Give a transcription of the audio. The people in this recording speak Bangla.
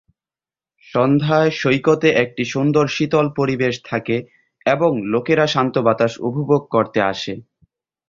সন্ধ্যায় সৈকতে একটি সুন্দর শীতল পরিবেশ থাকে এবং লোকেরা এই শান্ত বাতাস উপভোগ করতে আসে।